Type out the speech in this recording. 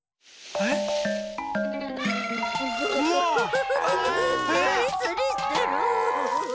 ええ⁉スリスリしてる。